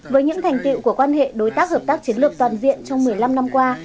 với những thành tiệu của quan hệ đối tác hợp tác chiến lược toàn diện trong một mươi năm năm qua